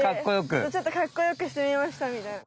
ちょっとかっこよくしてみましたみたいな。